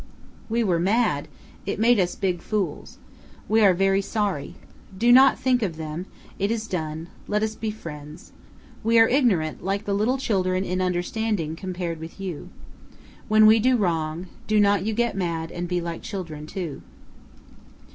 Wo were mad; it made us big fools. We are very sorry. Do not think of them; it is done; let us be friends. We are ignorant like little children in understanding compared with you. When we do wrong, do not you get mad and be like children too.